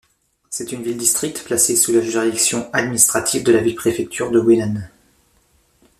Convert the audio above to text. C'est une ville-district placée sous la juridiction administrative de la ville-préfecture de Weinan.